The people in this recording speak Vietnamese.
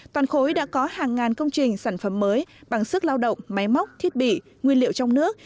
toàn khối đã có hàng ngàn công trình sản phẩm mới bằng sức lao động máy móc thiết bị nguyên liệu trong nước